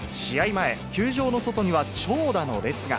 前、球場の外には長蛇の列が。